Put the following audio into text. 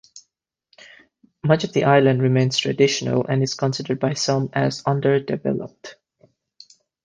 Much of the island remains traditional and is considered by some as under-developed.